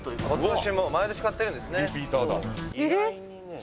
毎年買ってるんですね」